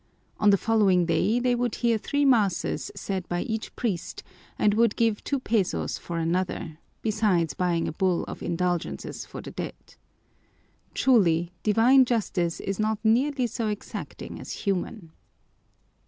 On the following day they would hear three masses said by each priest and would give two pesos for another, besides buying a bull of indulgences for the dead. Truly, divine justice is not nearly so exacting as human.